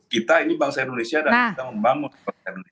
kita ini bangsa indonesia dan kita membangun bangsa indonesia